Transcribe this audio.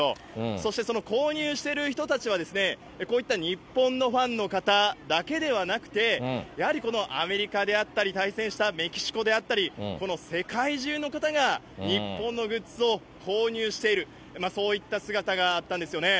そしてその購入している人たちは、こういった日本のファンの方だけではなくて、やはりこのアメリカであったり、対戦したメキシコであったり、この世界中の方が日本のグッズを購入している、そういった姿があったんですよね。